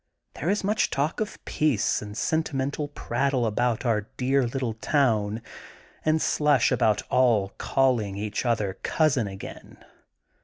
There is much talk of peace and sentimental prattle about our dear little town and slush about all calling each other cousin^' again.